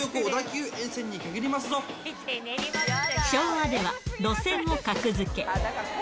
東横、昭和では路線を格付け。